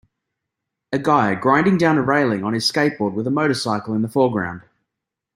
A guy grinding down a railing on his skateboard with a motorcycle in the foreground